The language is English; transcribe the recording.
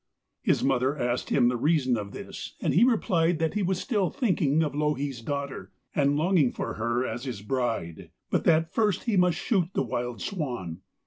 His mother asked him the reason of this, and he replied that he was still thinking of Louhi's daughter and longing for her as his bride, but that first he must shoot the wild swan.